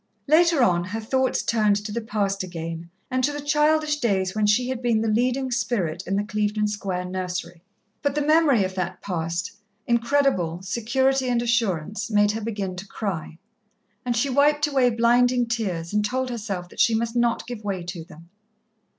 Later on, her thoughts turned to the past again, and to the childish days when she had been the leading spirit in the Clevedon Square nursery. But the memory of that past, incredible, security and assurance, made her begin to cry, and she wiped away blinding tears and told herself that she must not give way to them.